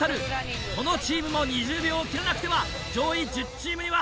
このチームも２０秒を切らなくては上位１０チームには入れません！